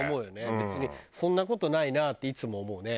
別にそんな事ないなっていつも思うね。